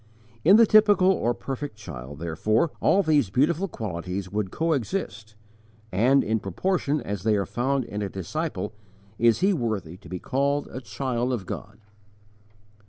In the typical or perfect child, therefore, all these beautiful qualities would coexist, and, in proportion as they are found in a disciple, is he worthy to be called _a child of God.